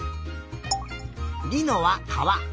りのはかわ。